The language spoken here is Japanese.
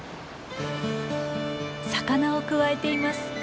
魚をくわえています。